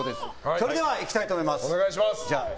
それではいきたいと思います。